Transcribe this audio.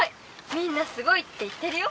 みんなすごいって言ってるよ」。